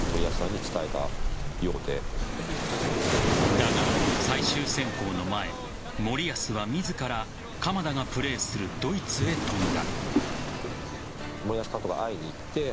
だが、最終選考の前森保は自ら鎌田がプレーするドイツへ飛んだ。